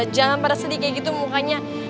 jangan pada sedih kayak gitu mukanya